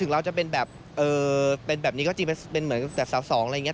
เราจะเป็นแบบเป็นแบบนี้ก็จริงเป็นเหมือนสาวสองอะไรอย่างนี้